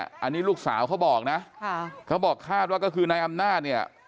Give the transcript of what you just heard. อันนี้ลูกสาวเขาบอกนะเขาบอกคาดว่าก็คือนายอำนาจเนี่ย